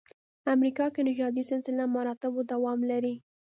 امریکا کې نژادي سلسله مراتبو دوام لري.